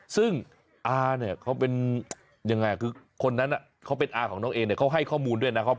ซึ่งอาเนี่ยเขาเป็นยังไงคือคนนั้นเขาเป็นอาของน้องเอเนี่ยเขาให้ข้อมูลด้วยนะครับ